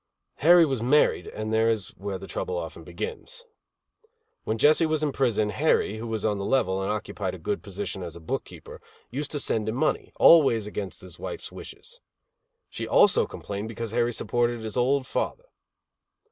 Harry was married, and there is where the trouble often begins. When Jesse was in prison Harry, who was on the level and occupied a good position as a book keeper, used to send him money, always against his wife's wishes. She also complained because Harry supported his old father.